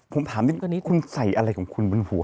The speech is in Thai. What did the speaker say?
ผมถามนิดนึงคุณใส่อะไรของคุณบนหัว